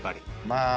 まあ。